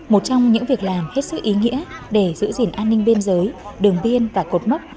một trong những việc làm hết sức ý nghĩa để giữ gìn an ninh biên giới đường biên và cột mốc